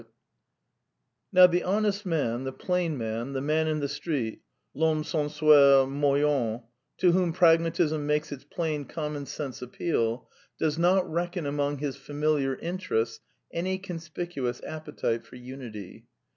PRAGMATISM AND HUMANISM 129 Kow the honest man, the plain man, the man in the street, Vhomme sensuel moiien^ to whom Pragmatism makes iTs "plain common sense appeal, does not reckon among his familiar interests any conspicuous appetite for unity.